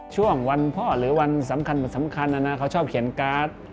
ช่วงวันพ่อหรือวันสำคัญนะเขาชอบเขียนการ์ด